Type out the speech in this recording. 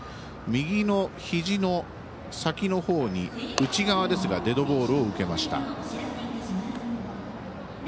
右のひじの先のほうに内側ですがデッドボールを受けました。